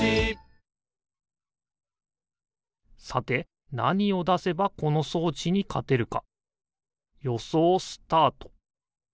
さてなにをだせばこのそうちにかてるかよそうスタート！